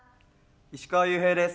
石川裕平です。